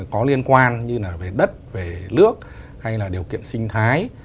có liên quan như là về đất về nước hay là điều kiện sinh thái